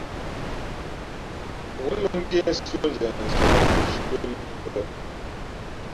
Wěn mᾱ ngēsī o ndiandia o zhī mbʉ̄ᾱ mǐ pəpēʼ.